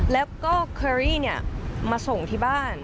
แล้วก็เคอรี่มาส่งที่บ้าน